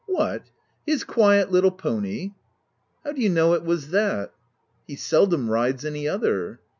" What, his quiet little pony ?" *f How do you know it was that ?" "He seldom rides any other."